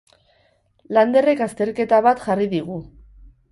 Landerrek azterketa bat jarri digu.